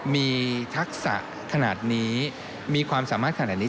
มีทักษะขนาดนี้มีความสามารถขนาดนี้